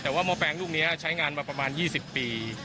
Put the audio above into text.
แต่ว่าหม้อแปลงลูกนี้ใช้งานมาประมาณ๒๐ปี